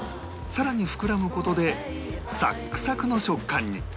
さらに膨らむ事でサックサクの食感に